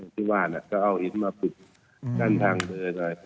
ที่ว่าจะเอาอิทธิ์มาปลูกด้านทางเบอร์